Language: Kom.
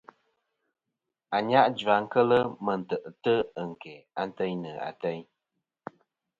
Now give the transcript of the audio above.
Anyajua kel mɨ tè'tɨ ɨn kæ anteynɨ ateyn.